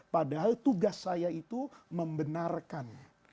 padahal tugas saya itu membenarkan